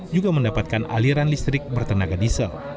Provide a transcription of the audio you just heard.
juga mendapatkan aliran listrik bertenaga diesel